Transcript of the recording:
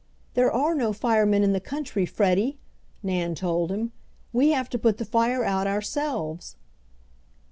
"There are no firemen in the country, Freddie," Nan told him. "We have to put the fire out ourselves."